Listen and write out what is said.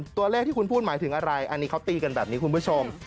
ตัวเลขที่คุณพูดหมายถึงอะไรอันนี้เขาตีกันแบบนี้คุณผู้ชม